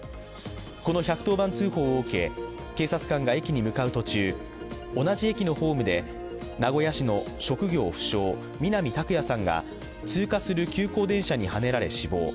この１１０番通報を受け、警察官が駅に向かう途中、同じ駅のホームで、名古屋市の職業不詳、南拓哉さんが通過する急行電車にはねられ、死亡。